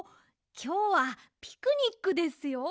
きょうはピクニックですよ。